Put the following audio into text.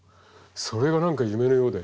それが何か夢のようで。